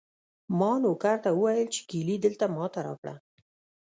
ما نوکر ته وویل چې کیلي دلته ما ته راکړه.